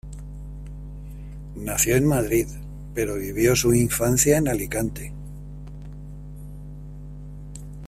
Nació en Madrid, pero vivió su infancia en Alicante.